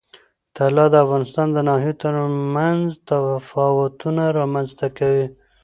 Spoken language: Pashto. طلا د افغانستان د ناحیو ترمنځ تفاوتونه رامنځ ته کوي.